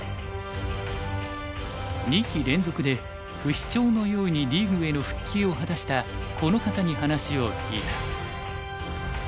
二期連続で不死鳥のようにリーグへの復帰を果たしたこの方に話を聞いた。